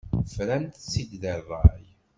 Fran-tt-id deg ṛṛay.